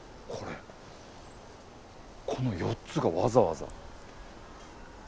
この４つがわざわざ。